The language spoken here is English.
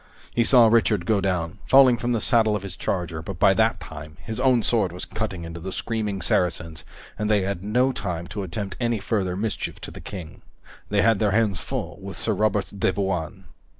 He saw Richard go down, falling from the saddle of his charger, but by that time his own sword was cutting into the screaming Saracens and they had no time to attempt any further mischief to the King. They had their hands full with Sir Robert de Bouain.